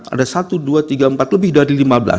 ada satu dua tiga empat lebih dari lima belas